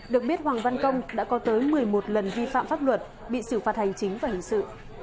được biết hoàng văn công đã có tới một mươi một lần vi phạm pháp luật bị xử phạt hành chính và hình sự